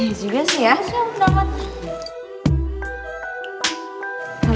masih yang mudah banget nih